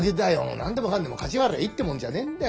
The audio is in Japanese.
なんでもかんでもかち割りゃいいってもんじゃねえんだよ！